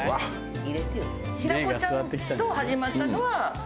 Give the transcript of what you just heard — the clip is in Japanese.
平子ちゃんと始まったのは。